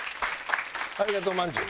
ありがとうまんじゅう。